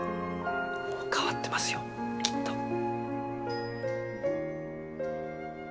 もう変わってますよきっと。